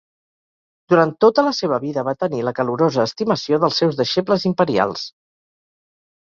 Durant tota la seva vida va tenir la calorosa estimació dels seus deixebles imperials.